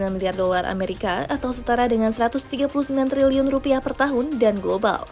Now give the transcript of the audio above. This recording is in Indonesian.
dua puluh miliar dolar amerika atau setara dengan satu ratus tiga puluh sembilan triliun rupiah per tahun dan global